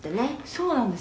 「そうなんです。